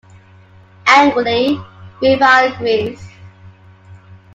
Angrily, Refa agrees.